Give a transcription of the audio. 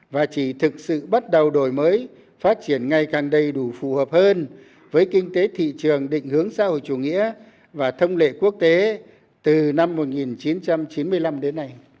và chỉ thực sự bắt đầu đổi mới phát triển ngày càng đầy đủ phù hợp hơn với kinh tế thị trường định hướng xã hội chủ nghĩa và thông lệ quốc tế từ năm một nghìn chín trăm chín mươi năm đến nay